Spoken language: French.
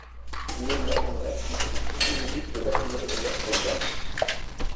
Guillaume Latendresse marque le tout premier but de la saison régulière pour le Wild.